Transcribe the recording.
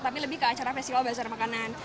tapi lebih ke acara festival bazar makanan